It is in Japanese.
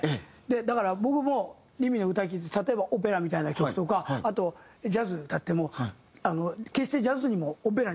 だから僕もりみの歌聴いて例えばオペラみたいな曲とかあとジャズ歌っても決してジャズにもオペラにもならない。